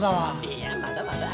いやまだまだ。